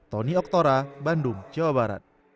tony oktora bandung jawa barat